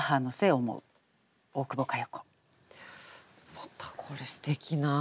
またこれすてきな。